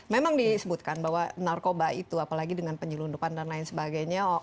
memang disebutkan bahwa narkoba itu apalagi dengan penyelundupan dan lain sebagainya